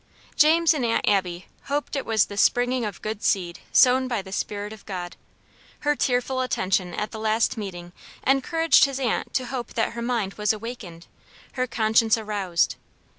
James and Aunt Abby hoped it was the springing of good seed sown by the Spirit of God. Her tearful attention at the last meeting encouraged his aunt to hope that her mind was awakened, her conscience aroused.